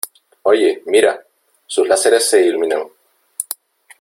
¡ Oye , mira ! Sus láseres se iluminan .